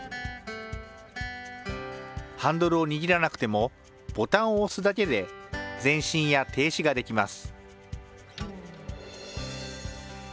ハンドルを握らなくても、ボタンを押すだけで前進や停止ができます。